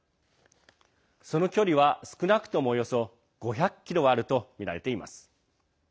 その距離は少なくともおよそ５００ｋｍはあるとみられています。